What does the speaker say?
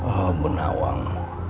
oh ibu nawang